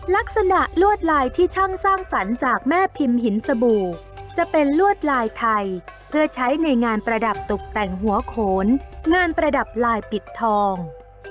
ลักษณะลวดลายที่ช่างสร้างสรรค์จากแม่พิมพ์หินสบู่จะเป็นลวดลายไทยเพื่อใช้ในงานประดับตกแต่งหัวโขนงานประดับลายปิดทอง